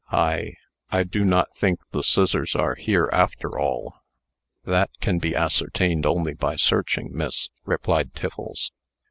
I I do not think the scissors are here, after all." "That can be ascertained only by searching, miss," replied Tiffles.